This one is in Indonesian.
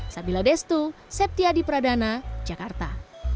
sabila destu septiadi pradana jakarta